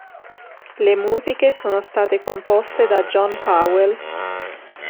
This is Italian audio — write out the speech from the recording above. Le musiche sono state composte da John Powell.